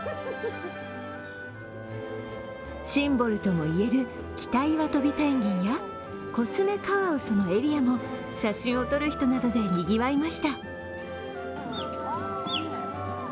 シンボルともいえるキタイワトビペンギンやコツメカワウソのエリアも写真を撮る人などでにぎわいました。